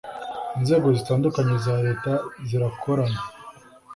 inzego zitandukanye za leta zirakorana.